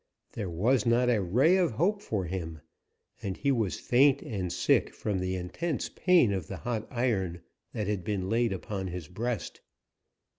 There was not a ray of hope for him, and he was faint and sick from the intense pain of the hot iron that had been laid upon his breast.